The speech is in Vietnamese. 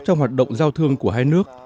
trong hoạt động giao thương của hai nước